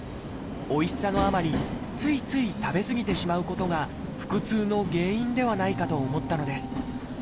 おいしさのあまりついつい食べ過ぎてしまうことが腹痛の原因ではないかと思ったのです。